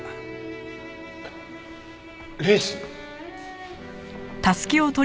えっレース？